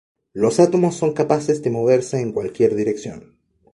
Los átomos son capaces de moverse en cualquier dirección.